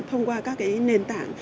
thông qua các cái nền tảng